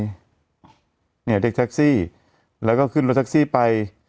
เนี่ยเรียกแท็กซี่แล้วก็ขึ้นรถแท็กซี่ไป